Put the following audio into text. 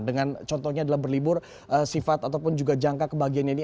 dengan contohnya adalah berlibur sifat ataupun juga jangka kebahagiaannya ini